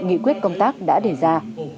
nghị quyết công tác đã đề ra